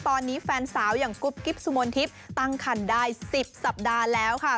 ตอนนี้แฟนสาวอย่างกุ๊บกิ๊บสุมนทิพย์ตั้งคันได้๑๐สัปดาห์แล้วค่ะ